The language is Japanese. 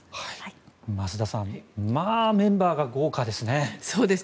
増田さんまあメンバーが豪華ですね。